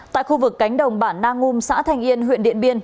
tại khu vực cánh đồng bản na ngum xã thành yên huyện điện biên